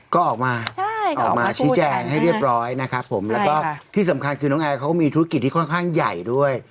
ก็ออกมาออกมาชี้แจงให้เรียบร้อยนะครับผมแล้วก็ที่สำคัญคือน้องแอร์เขาก็มีธุรกิจที่ค่อนข้างใหญ่ด้วย